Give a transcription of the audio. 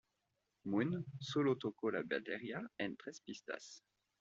Moon, sólo tocó la batería en tres pistas.